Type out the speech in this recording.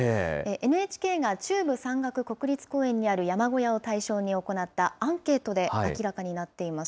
ＮＨＫが中部山岳国立公園にある山小屋を対象に行ったアンケートで明らかになっています。